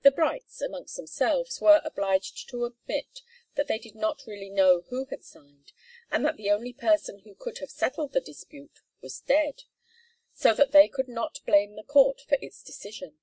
The Brights, amongst themselves, were obliged to admit that they did not really know who had signed, and that the only person who could have settled the dispute was dead, so that they could not blame the court for its decision.